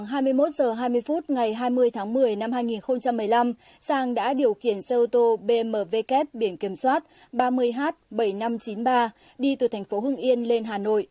giang đã điều khiển xe ô tô bmw kết biển kiểm soát ba mươi h bảy nghìn năm trăm chín mươi ba đi từ thành phố hưng yên lên hà nội